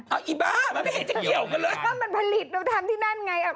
อ้าวไอ้บ้ามันไม่เห็นสิ่งเกี่ยวกันเลย